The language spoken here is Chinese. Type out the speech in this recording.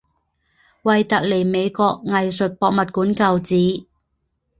惠特尼美国艺术博物馆旧址。